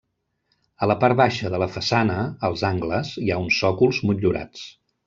A la part baixa de la façana, als angles, hi ha uns sòcols motllurats.